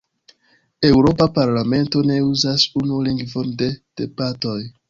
Eŭropa Parlamento ne uzas unu lingvon de debatoj.